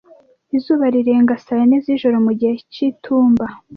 Izuba rirenga saa yine z'ijoro. mu gihe c'itumba.